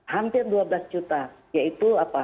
hampir dua belas juta yaitu apa